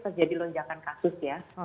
ada lonjakan kasus ya